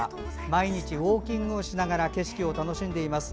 毎日ウォーキングをしながら景色を楽しんでいます。